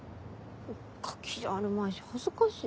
ガキじゃあるまいし恥ずかしい。